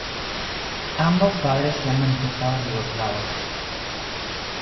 Ambos padres se han manifestado yugoslavos.